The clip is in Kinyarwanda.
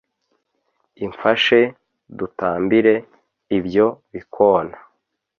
imfashe dutambire ibyo bikona